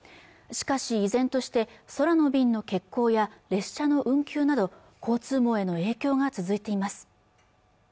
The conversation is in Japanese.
しかし依然として空の便の欠航や列車の運休など交通網への影響が続いています